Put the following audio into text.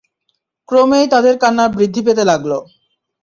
ক্রমেই তাদের কান্না বৃদ্ধি পেতে লাগল।